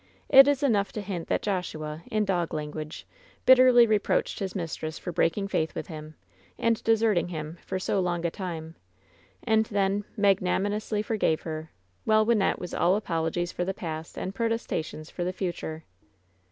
It is enough to hint that Joshua, in dog language, bitterly reproached his mistrea? for breaking faith with him, and deserting him for so long a time, and then magnanimously forgave her, while Wynnette was all apologies for the past and protestations for the future.